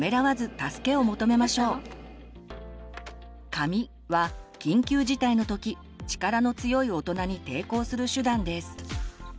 「かみ」は緊急事態のとき力の強い大人に抵抗する手段です。